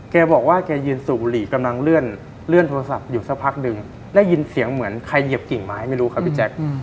แกบอกว่าแกยืนสูบบุหรี่กำลังเลื่อนโทรศัพท์อยู่สักพักหนึ่งได้ยินเสียงเหมือนใครเหยียบกิ่งไม้ไม่รู้ครับพี่แจ๊ค